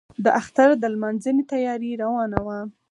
د اختر د لمانځنې تیاري روانه وه.